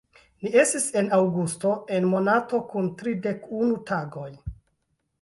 Ni estis en Aŭgusto, en monato kun tridek-unu tagoj.